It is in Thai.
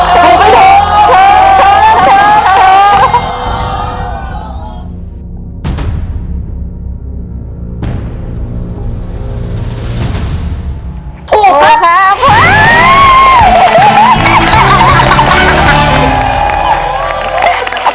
โชคโชคโชคโชค